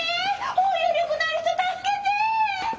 包容力のある人助けて！